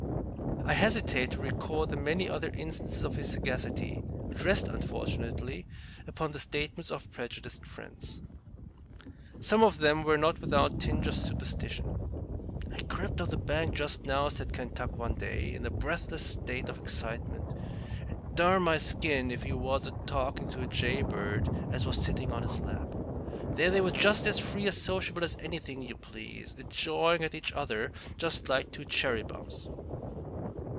I hesitate to record the many other instances of his sagacity, which rest, unfortunately, upon the statements of prejudiced friends. Some of them were not without a tinge of superstition. "I crep' up the bank just now," said Kentuck one day, in a breathless state of excitement "and dern my skin if he was a talking to a jay bird as was a sittin' on his lap. There they was, just as free and sociable as anything you please, a jawin' at each other just like two cherrybums."